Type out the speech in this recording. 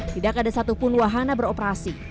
tidak ada satupun wahana beroperasi